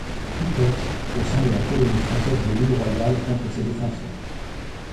Peter's, au sein de la colonie française de l'Île Royale contre ses défenseurs.